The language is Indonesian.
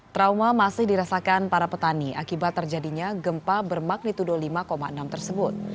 trauma masih dirasakan para petani akibat terjadinya gempa bermagnitudo lima enam tersebut